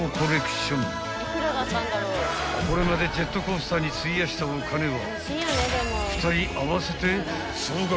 ［これまでジェットコースターに費やしたお金は］